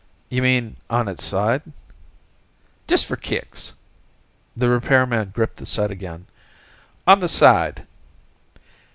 "You mean on its side?" "Just for kicks...." the repairman gripped the set again. "On the side...."